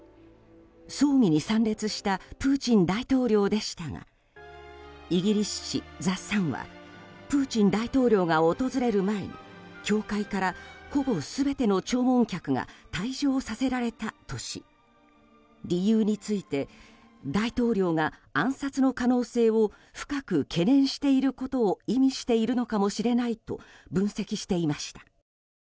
葬儀に参列したプーチン大統領でしたがイギリス紙ザ・サンはプーチン大統領が訪れる前に教会からほぼ全ての弔問客が退場させられたとし理由について大統領が暗殺の可能性を深く懸念していることを意味しているのかもしれないと分析していました。